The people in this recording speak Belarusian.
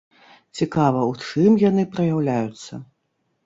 Цікава, у чым яны праяўляюцца?